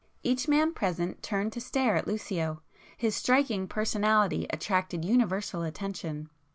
Each man present turned to stare at Lucio; his striking personality attracted universal attention.